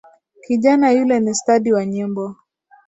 Kijana yule ni stadi wa nyimbo.